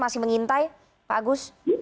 masih mengintai pak agus